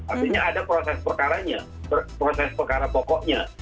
artinya ada proses perkaranya proses perkara pokoknya